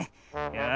よし。